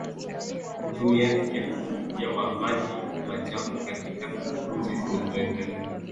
Utumiajia upya wa maji machafukatika nchi zinazoendelea